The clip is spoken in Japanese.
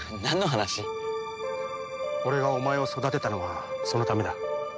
俺がお前を育てたのはそのためだ。